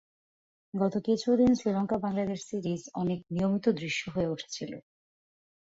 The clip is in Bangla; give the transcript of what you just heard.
গত কিছুদিন শ্রীলঙ্কা বাংলাদেশ সিরিজ অনেক নিয়মিত দৃশ্য হয়ে উঠেছিল।